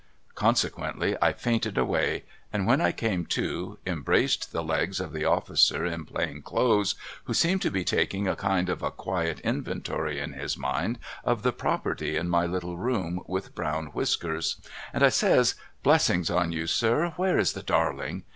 Consequently I fainted away and when I came to, embraced the legs of the officer in plain clothes who seemed to be taking a kind of a quiet inventory in his mind of the i)roperty in my little room with brown whiskers, and I says ' Blessings on you sir where is the Darling